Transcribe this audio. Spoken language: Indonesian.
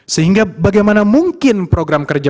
sehingga bagaimana mungkin program kerja